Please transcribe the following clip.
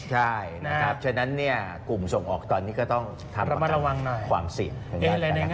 ใช่นะครับฉะนั้นเนี่ยกลุ่มส่งออกตอนนี้ก็ต้องทำมาระวังความเสี่ยง